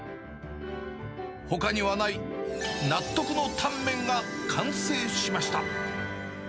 ほかにはない納得のタンメンが完成しました。